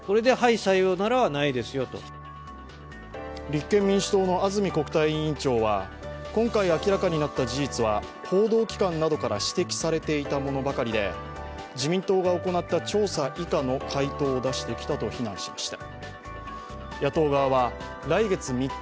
立憲民主党の安住国対委員長は今回、明らかになった事実は報道機関などから指摘されていたものばかりで、自民党が行った調査以下の回答を出してきたと非難しました。